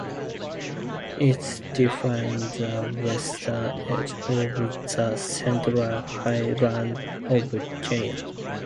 It defines the western edge of the central highlands of Kenya.